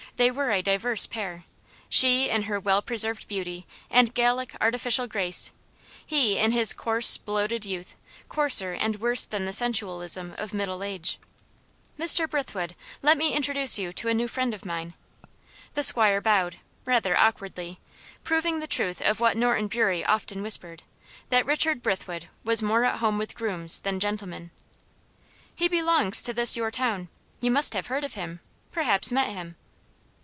They were a diverse pair. She, in her well preserved beauty, and Gallic artificial grace he, in his coarse, bloated youth, coarser and worse than the sensualism of middle age. "Mr. Brithwood, let me introduce you to a new friend of mine." The 'squire bowed, rather awkwardly; proving the truth of what Norton Bury often whispered, that Richard Brithwood was more at home with grooms than gentlemen. "He belongs to this your town you must have heard of him, perhaps met him."